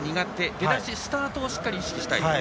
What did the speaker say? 出だし、スタートをしっかり意識したい。